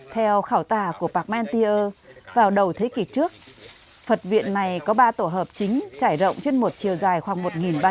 theo khảo tả của parmentier vào đầu thế kỷ trước phật viện này có ba tổ hợp chính trải rộng trên một chiều dài khoảng một ba trăm linh